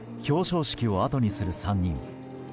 表彰式をあとにする３人。